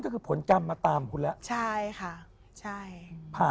คุณกำลังคิดว่า